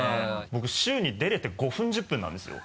僕週に出れて５分１０分なんですよ